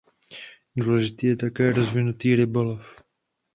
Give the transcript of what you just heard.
Důležitý je také rozvinutý rybolov.